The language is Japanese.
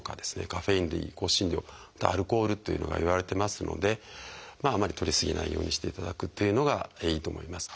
カフェイン類香辛料アルコールというのがいわれてますのであまりとり過ぎないようにしていただくというのがいいと思います。